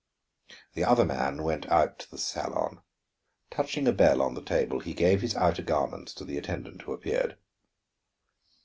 The other man went out to the salon. Touching a bell on the table, he gave his outer garments to the attendant who appeared.